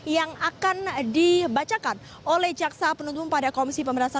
yang akan dibacakan oleh jaksa penuntung pada komisi pemerintahan